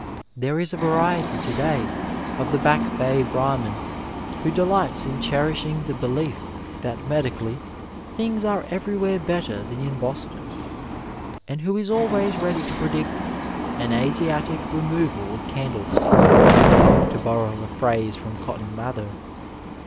There is a variety to day of the Back Bay Brahmin who delights 224 Digitized by VjOOQIC BOOKS AND MEN in cheriflhing the belief that medically things are every where better than in Boston, and who is always ready to predict " an Asiatic removal of candlesticks," to borrow a phrase from Cotton Mather.